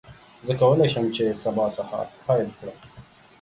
زه کولی شم چې سبا سهار پیل کړم.